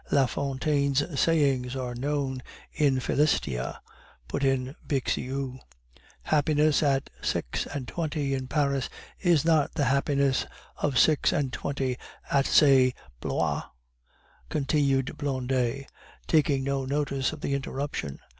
"La Fontaine's sayings are known in Philistia!" put in Bixiou. "Happiness at six and twenty in Paris is not the happiness of six and twenty at say Blois," continued Blondet, taking no notice of the interruption.